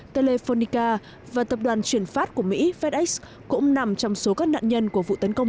telephonica và tập đoàn chuyển phát của mỹ fedex cũng nằm trong số các nạn nhân của vụ tấn công